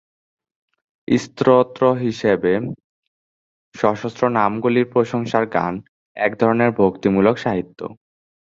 স্তোত্র হিসাবে, সহস্র-নামগুলি প্রশংসার গান, এক ধরনের ভক্তিমূলক সাহিত্য।